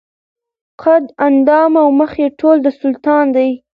قد اندام او مخ یې ټوله د سلطان دي